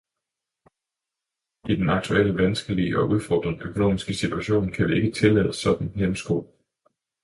I den aktuelle vanskelige og udfordrende økonomiske situation kan vi ikke tillade sådanne hæmsko.